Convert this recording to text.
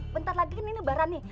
bentar lagi kan ini lebaran nih